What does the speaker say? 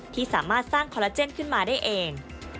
ที่สามารถสร้างคอลลาเจนขึ้นมาได้เอง